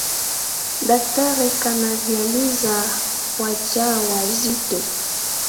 Daktari kanavyalisa wajawazito.